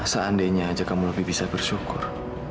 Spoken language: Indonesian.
seandainya aja kamu lebih bisa bersyukur